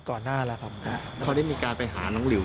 ก็มีทั้งก็มีหลายส่วนครับ